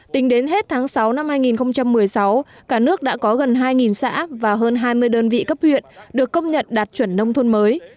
tính đến hết tháng sáu năm hai nghìn một mươi sáu cả nước đã có gần hai xã và hơn hai mươi đơn vị cấp huyện được công nhận đạt chuẩn nông thôn mới